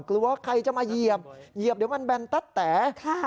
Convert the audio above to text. กลัวใครจะมาเหยียบเหยียบเดี๋ยวมันแบนตั๊ดแต๋